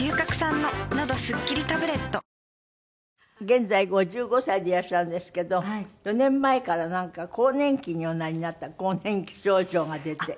現在５５歳でいらっしゃるんですけど４年前からなんか更年期におなりになった更年期症状が出て。